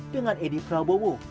dengan edy prabowo